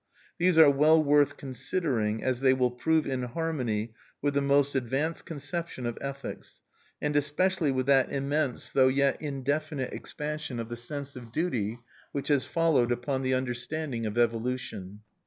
These are well worth considering, as they will prove in harmony with the most advanced conception of ethics, and especially with that immense though yet indefinite expansion of the sense of duty which has followed upon the understanding of evolution.